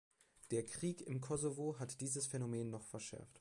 Der Krieg im Kosovo hat dieses Phänomen noch verschärft.